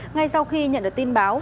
ngay sau khi nhận được tin báo